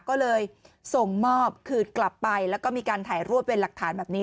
ก็เลยส่งมอบขืดกลับไปแล้วก็มีการถ่ายรูปเป็นหลักฐานแบบนี้